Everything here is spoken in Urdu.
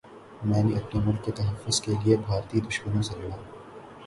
میں اپنے ملک کے تحفظ کے لیے بھارتی دشمنوں سے لڑا